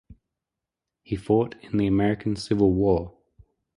He fought in the American Civil War.